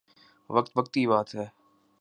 وقت وقت کی بات ہے